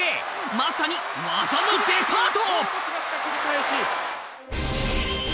まさに「技のデパート」！